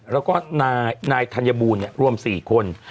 แล้วก็นายธัญบูรณ์รวม๔คน